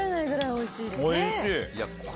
おいしい。